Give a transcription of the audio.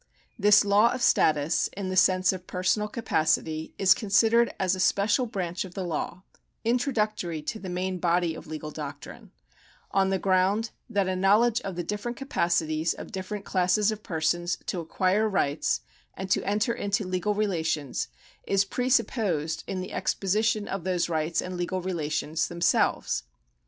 This law of status in the sense of personal capacity is considered as a special branch of the law, introductory to the main body of legal doctrine, on the ground that a knowledge of the different capacities of dif ferent classes of persons to acquire rights and to enter into legal relations is pre supposed in the exposition of those rights and legal relations themselves.